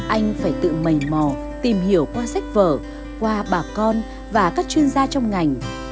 anh phải tự mầy mò tìm hiểu qua sách vở qua bà con và các chuyên gia trong ngành